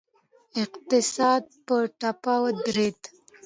اقتصاد په ټپه ودرید.